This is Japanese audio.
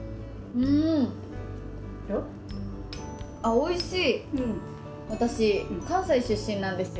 おいしい！